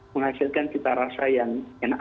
menghasilkan cita rasa yang enak